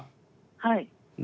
はい。